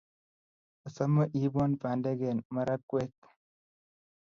Asome iipwo pandek ak marakwek